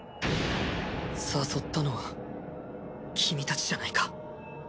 誘ったのは君たちじゃないか。